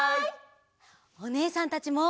おねえさんたちも。